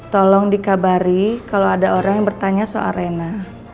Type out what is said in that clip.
tolong dikabari kalau ada orang yang bertanya soal rena